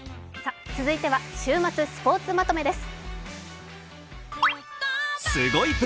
続いては週末スポーツまとめです。